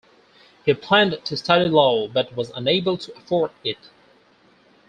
He planned to study law, but was unable to afford it.